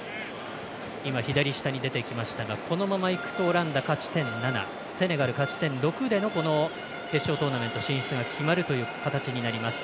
左下に出てきましたがこのままいくとオランダ、勝ち点７セネガル、勝ち点６での決勝トーナメント進出が決まるという形になります。